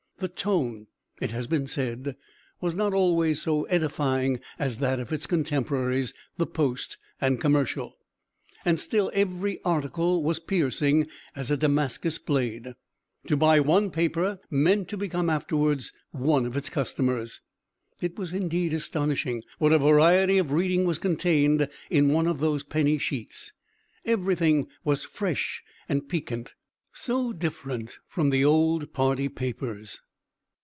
The tone, it has been said, was not always so edifying as that of its contemporaries, the Post and Commercial, still every article was piercing as a Damascus blade. To buy one paper meant to become afterwards one of its customers. It was indeed astonishing what a variety of reading was contained in one of those penny sheets; every thing was fresh and piquant, so different from the old party papers.